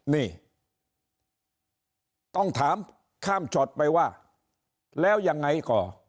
นี่ต้องถามข้ามช็อตไปว่าแล้วยังไงต่อ